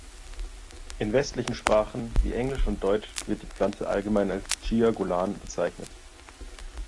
In westlichen Sprachen wie Englisch und Deutsch wird die Pflanze allgemein als Jiaogulan bezeichnet.